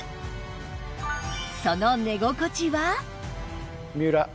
その寝心地は？